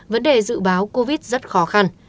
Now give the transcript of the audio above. vấn đề dự báo covid rất khó khăn